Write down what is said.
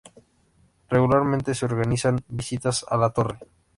Regularmente se organizan visitas a la Torre.